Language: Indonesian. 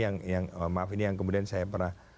nah ini yang kemudian saya pernah